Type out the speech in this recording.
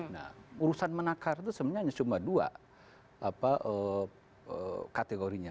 nah urusan menakar itu sebenarnya hanya cuma dua kategorinya